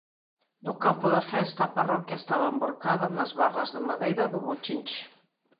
No campo da festa a parroquia estaba envorcada nas barras de madeira do bochinche.